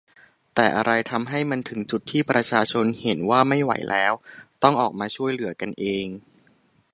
แต่อะไรทำให้มันถึงจุดที่ประชาชนเห็นว่าไม่ไหวแล้ว ต้องออกมาช่วยเหลือกันเอง ?